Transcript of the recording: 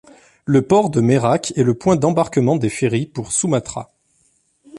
Le port de Merak est le point d'embarquement des ferrys pour Sumatra.